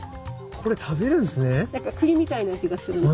これ食べるんですね。